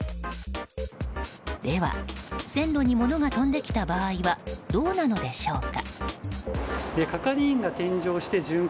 では線路に物が飛んできた場合はどうなのでしょうか。